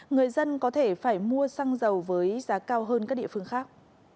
người dân có thể phải mua xăng dầu với giá cao hơn các địa phương khác